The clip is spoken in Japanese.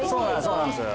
そうなんです